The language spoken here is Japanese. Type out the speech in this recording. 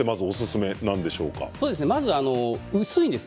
まず薄いんです。